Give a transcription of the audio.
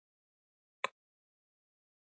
زیرکي ګټور دی.